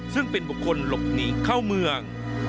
ซึ่งเป็นบุคคลหลบหนีเข้าเมือง